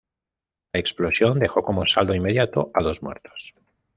La explosión dejó como saldo inmediato a dos muertos.